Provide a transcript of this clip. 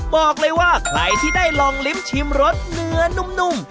บอกเลยว่าใครที่ได้ลองลิ้มชิมรสเนื้อนุ่ม